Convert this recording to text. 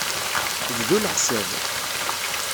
Bdu leḥsab.